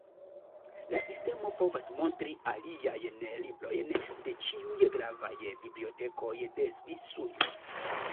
La sistemo povas montri aliajn librojn de ĉiuj gravaj bibliotekoj de Svisujo.